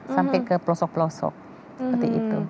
sampai ke pelosok pelosok seperti itu